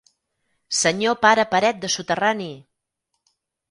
Senyor pare paret de soterrani!